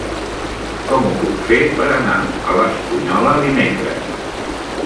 Com ho puc fer per anar a l'Espunyola dimecres?